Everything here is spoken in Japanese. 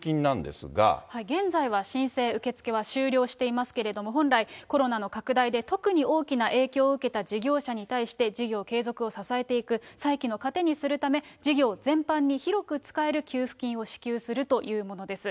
現在は申請受け付けは終了していますけれども、本来、コロナの拡大で、特に大きな影響を受けた事業者に対して、事業継続を支えていく、再起の糧にするため、事業全般に広く使える給付金を支給するというものです。